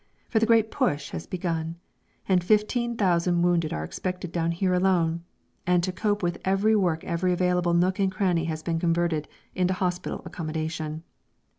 For the great "Push" has begun, and fifteen thousand wounded are expected down here alone, and to cope with the work every available nook and cranny has been converted into hospital accommodation.